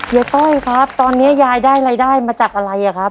ต้อยครับตอนนี้ยายได้รายได้มาจากอะไรอะครับ